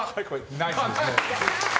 ナイスです。